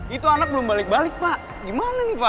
itu anak belum balik balik pak gimana nih pak